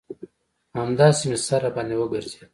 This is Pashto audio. همداسې مې سر راباندې وگرځېد.